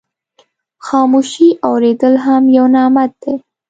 خاموشي اورېدل هم یو نعمت دی.